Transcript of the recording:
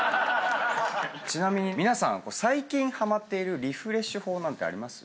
ちなみに皆さん最近はまっているリフレッシュ法なんてあります？